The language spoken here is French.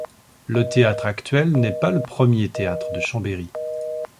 Le théâtre actuel n'est pas le premier théâtre de Chambéry.